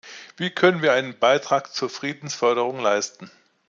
Wie können wir einen Beitrag zur Friedensförderung leisten?